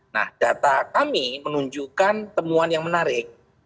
nah data kami menunjukkan temuan yang menarik